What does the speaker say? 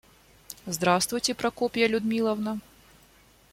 Здравствуйте, Прокопья Людмиловна.